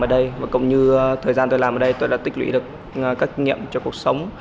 ở đây và cũng như thời gian tôi làm ở đây tôi đã tích lũy được các kinh nghiệm cho cuộc sống